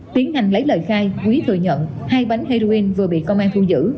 tiến hành lấy lời khai quý thừa nhận hai bánh heroin vừa bị công an thu giữ